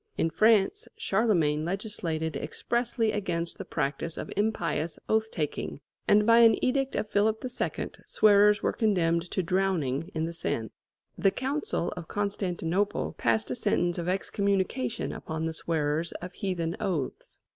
In France, Charlemagne legislated expressly against the practice of impious oath taking, and by an edict of Philip II. swearers were condemned to drowning in the Seine. The Council of Constantinople passed a sentence of excommunication upon the swearers of heathen oaths.